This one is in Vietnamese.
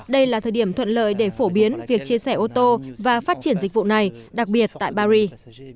đây là thời điểm thuận lợi để phổ biến việc chia sẻ ô tô và phát triển dịch vụ này đặc biệt tại paris